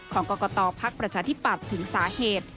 ของกรกฏอภาคประชาธิปัตย์ถึงสาเหตุ